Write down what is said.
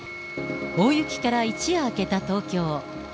大雪から一夜明けた東京。